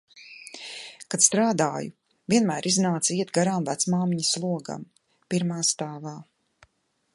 Kad strādāju, vienmēr iznāca iet garām vecmāmiņas logam, pirmā stāvā.